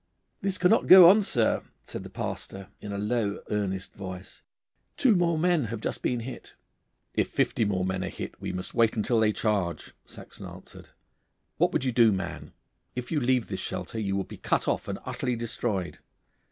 'This cannot go on, sir,' said the pastor, in a low earnest voice; 'two more men have just been hit.' 'If fifty more men are hit we must wait until they charge,' Saxon answered. 'What would you do, man? If you leave this shelter you will be cut off and utterly destroyed.